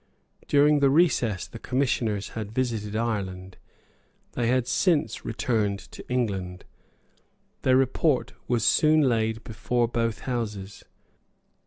During the recess, the commissioners had visited Ireland. They had since returned to England. Their report was soon laid before both Houses.